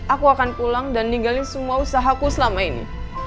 aku akan pulang dan ninggalin semua usahaku selama ini